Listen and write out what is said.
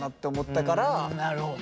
なるほど。